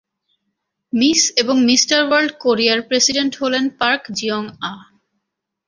Miss এবং Mister World কোরিয়ার president হলেন পার্ক জিওং-আহ।